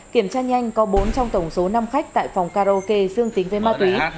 kiểm tra nhanh có bốn trong tổng số năm khách tại phòng karaoke dương tính với ma túy